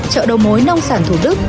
chợ đầu mối nông sản thủ đức